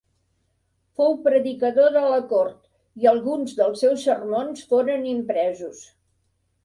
Fou predicador de la cort i alguns dels seus sermons foren impresos.